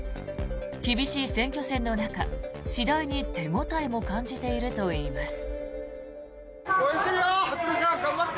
厳しい選挙戦の中、次第に手応えも感じているといいます。